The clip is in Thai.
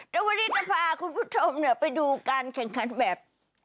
เดี๋ยววันนี้จะพาคุณผู้ชมไปดูการแข่งขันแบบ